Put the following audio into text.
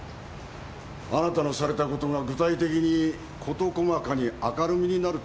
あなたのされたことが具体的に事細かに明るみになるってことですよ。